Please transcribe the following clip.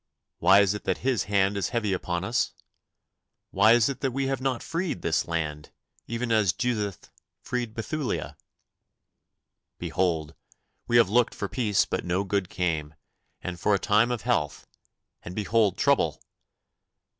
Why is it that His hand is heavy upon us? Why is it that we have not freed this land, even as Judith freed Bethulia? Behold, we have looked for peace but no good came, and for a time of health, and behold trouble!